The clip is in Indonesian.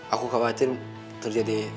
aku khawatir terjadi